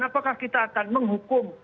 apakah kita akan menghukum